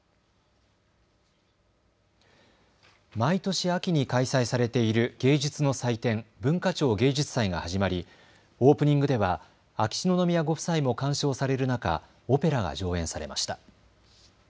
毎年秋に開催されている芸術の祭典、文化庁芸術祭が始まりオープニングでは秋篠宮ご夫妻も鑑賞される中、オペラが上演されました。